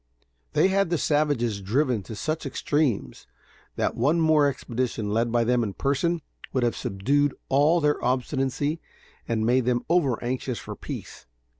They had the savages driven to such extremes that one more expedition, led by them in person, would have subdued all their obstinacy and made them over anxious for peace.